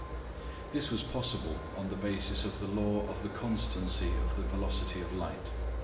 This was possible on the basis of the law of the constancy of the velocity of tight.